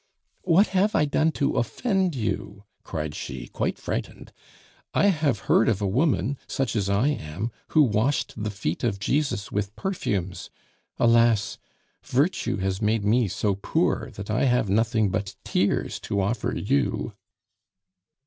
"What have I done to offend you?" cried she, quite frightened. "I have heard of a woman, such as I am, who washed the feet of Jesus with perfumes. Alas! virtue has made me so poor that I have nothing but tears to offer you."